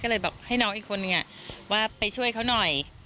ก็เลยบอกให้น้องอีกคนนึงว่าไปช่วยเขาหน่อย